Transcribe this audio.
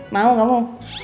mau gak mau